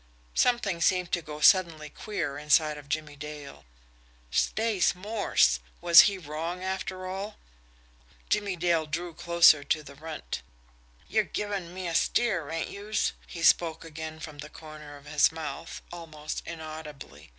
Something seemed to go suddenly queer inside of Jimmie Dale. Stace Morse! Was he wrong, after all? Jimmie Dale drew closer to the Runt. "Yer givin' me a steer, ain't youse?" He spoke again from the corner of his mouth, almost inaudibly.